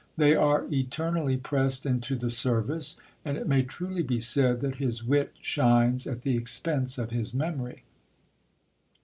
They are eternally pressed into the service, and it may truly be said that his wit shines at the expense of his memory.